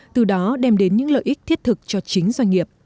từ đó đem đến những lợi ích thiết thực cho chính doanh nghiệp